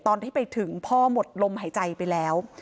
ตอนที่ไปถึงพ่อหมดลมหายใจไปแล้ว